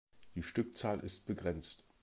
Die Stückzahl ist begrenzt.